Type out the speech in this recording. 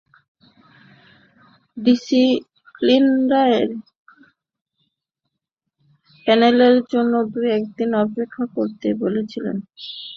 Disciplinary প্যানেলের জন্য দু-এক দিন অপেক্ষা করতে বলেছিলেন বিসিবির সভাপতি নাজমুল হাসান।